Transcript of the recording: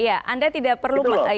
iya anda tidak perlu